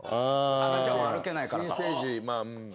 ・赤ちゃんは歩けないからか。